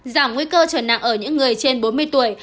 giảm nguy cơ trở nặng ở những người trên bốn mươi tuổi